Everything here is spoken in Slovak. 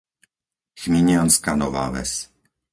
Chminianska Nová Ves